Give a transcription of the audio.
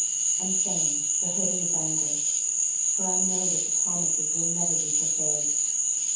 And then the hurting is anguish — for I know that the promises will never be fulfilled.